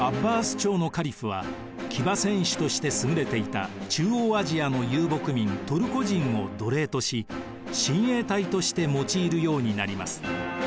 朝のカリフは騎馬戦士として優れていた中央アジアの遊牧民トルコ人を奴隷とし親衛隊として用いるようになります。